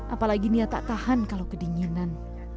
apalagi nia tak tahan kalau kedinginan